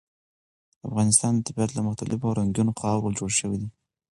د افغانستان طبیعت له مختلفو او رنګینو خاورو جوړ شوی دی.